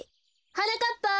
はなかっぱ！